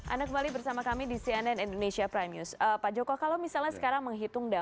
anda kembali bersama kami di cnn indonesia prime news